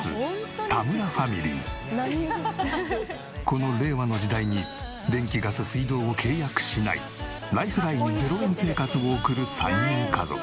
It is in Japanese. この令和の時代に電気ガス水道を契約しないライフライン０円生活を送る３人家族。